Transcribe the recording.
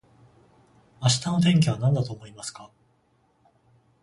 明日の天気はなんだと思いますか